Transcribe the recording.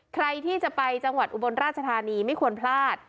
ใครที่จะไปจังหวัดอุบลราชธานีไม่ควรพลาด